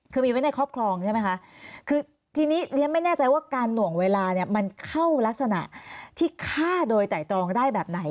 คือมีไว้ในครอบครองใช่ไหมคะคือทีนี้เรียนไม่แน่ใจว่าการหน่วงเวลาเนี่ยมันเข้ารักษณะที่ฆ่าโดยไตรตรองได้แบบไหน